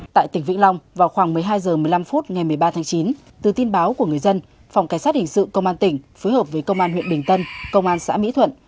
tại tỉnh vĩnh long vào khoảng một mươi hai h một mươi năm phút ngày một mươi ba tháng chín từ tin báo của người dân phòng cảnh sát hình sự công an tỉnh phối hợp với công an huyện bình tân công an xã mỹ thuận